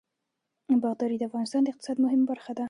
باغداري د افغانستان د اقتصاد مهمه برخه ده.